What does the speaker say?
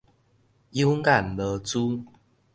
有眼無珠